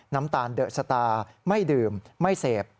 น้ำตาลเดอะสตาร์ไม่ดื่มไม่เสพ